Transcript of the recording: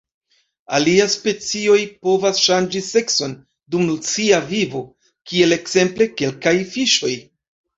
Aliaj specioj povas ŝanĝi sekson dum sia vivo, kiel ekzemple kelkaj fiŝoj.